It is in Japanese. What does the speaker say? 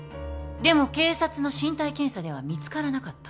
でも警察の身体検査では見つからなかった。